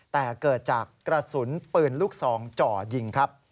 แต่เกิดจากกระสุนปืนลูกซองจ่อยิงครับ